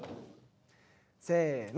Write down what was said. せの。